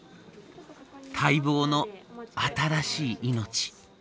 待望の新しい命。